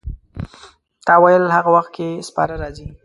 تا ویل هغه وخت کې سپاره راځي.